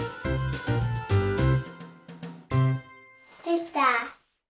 できた！